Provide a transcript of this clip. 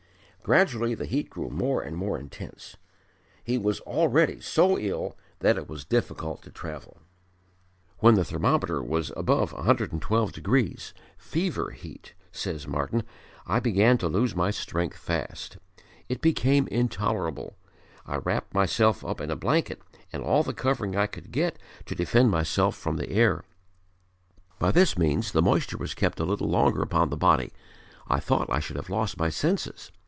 Gradually the heat grew more and more intense. He was already so ill that it was difficult to travel. "When the thermometer was above 112 degrees fever heat," says Martyn, "I began to lose my strength fast. It became intolerable. I wrapped myself up in a blanket and all the covering I could get to defend myself from the air. By this means the moisture was kept a little longer upon the body. I thought I should have lost my senses.